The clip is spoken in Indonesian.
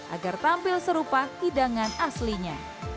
agar tampil serupa hidangan aslinya